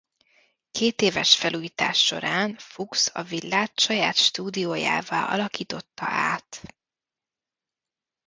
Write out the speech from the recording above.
Kétéves felújítás során Fuchs a villát saját stúdiójává alakította át.